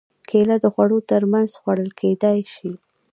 کېله د خوړو تر منځ خوړل کېدای شي.